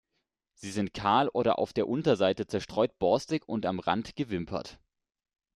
Sie sind kahl oder auf der Unterseite zerstreut borstig und am Rand gewimpert.